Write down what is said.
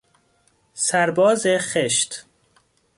سرباز خشت